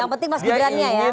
yang penting mas gibran nya ya